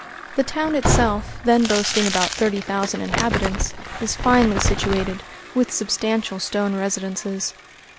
The town itself, then boasting about thirty thousand inhabitants, is finely situated, with substantial stone residences.